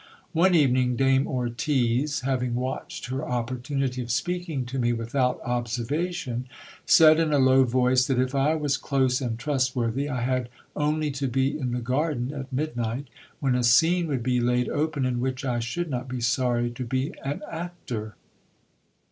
One evening, Dame Ortiz, having watched her opportunity of speaking to me with out observation, said in a low voice, that if I was close and trustworthy, I had only to be in the garden at midnight, when a scene would be laid open in which I should not be sorry to be an actor.